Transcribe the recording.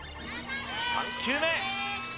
３球目！